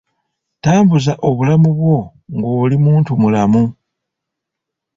Tambuza obulamu bwo ng'oli muntu mulamu.